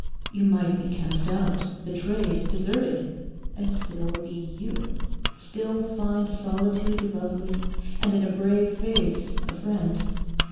You might be cast out, betrayed, deserted, and still be you, still find solitude lovely and in a brave face a friend.